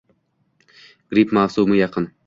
Gripp mavsumi yaqin